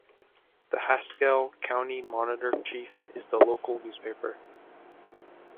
The "Haskell County Monitor-Chief" is the local newspaper.